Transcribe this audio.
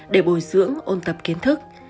để bồi dưỡng ôn tập kiến thức